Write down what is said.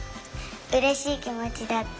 うれしいきもちだった。